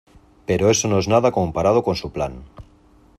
pero eso no es nada comparado con su plan.